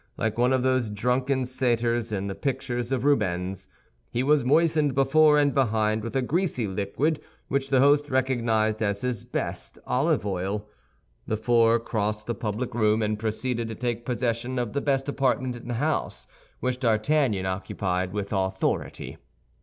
Like one of those drunken satyrs in the pictures of Rubens. He was moistened before and behind with a greasy liquid which the host recognized as his best olive oil. The four crossed the public room and proceeded to take possession of the best apartment in the house, which D'Artagnan occupied with authority.